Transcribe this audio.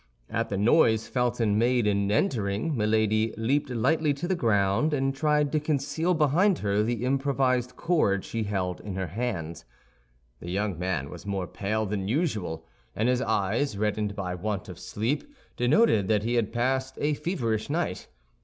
At the noise Felton made in entering, Milady leaped lightly to the ground, and tried to conceal behind her the improvised cord she held in her hand. The young man was more pale than usual, and his eyes, reddened by want of sleep, denoted that he had passed a feverish night.